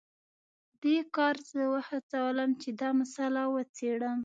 دې کار زه وهڅولم چې دا مسله وڅیړم